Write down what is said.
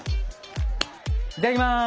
いただきます。